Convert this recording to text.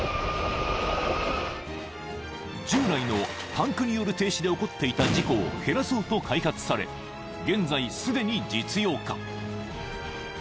［従来のパンクによる停止で起こっていた事故を減らそうと開発され現在すでに実用化］